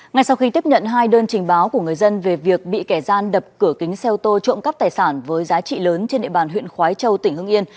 ngay sau khi tiếp nhận hai đơn trình báo của người dân về việc bị kẻ gian đập cửa kính xe ô tô trộm cắp tài sản với giá trị lớn trên địa bàn huyện khói châu tỉnh hương yên